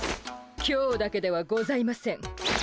今日だけではございません。